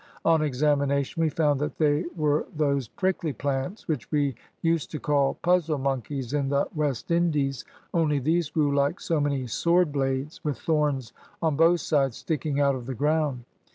On examination we found that they were those prickly plants which we used to call `puzzle monkeys' in the West Indies, only these grew like so many swordblades, with thorns on both sides, sticking out of the ground.